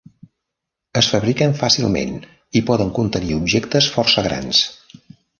Es fabriquen fàcilment i poden contenir objectes força grans.